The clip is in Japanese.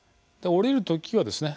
降りる時はですね